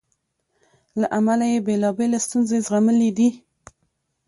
له امله یې بېلابېلې ستونزې زغملې دي.